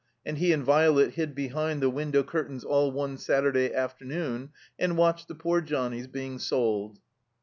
And he and Violet hid behind the window curtains all one Saturday after noon, and watched "the poor johnnies being sold."